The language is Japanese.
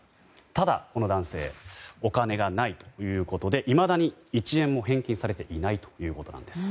ただ、この男性お金がないということでいまだに１円も返金されていないということです。